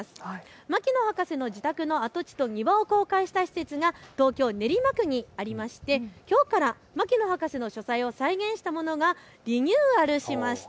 牧野博士の自宅の跡地と庭を公開した施設が東京練馬区にありましてきょうから牧野博士の書斎を再現したものがリニューアルしました。